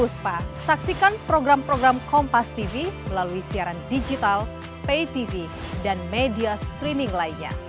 saksikan program program kompastv melalui siaran digital paytv dan media streaming lainnya